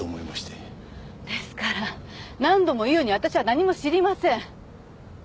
ですから何度も言うように私は何も知りません！